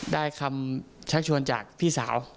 ได้คำชักชวนจากพี่สาว